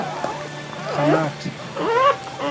خناٹ